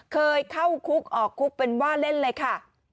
เคยเข้าคุกออกคุกเป็นว่าเล่นเลยค่ะ